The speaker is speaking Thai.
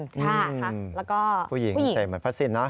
ใช่แล้วก็ผู้หญิงผู้หญิงใส่เหมือนภาษินนะ